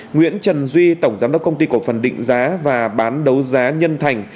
nguyễn trần duy tổng giám đốc công ty cổ phần định giá và bán đấu giá nhân thành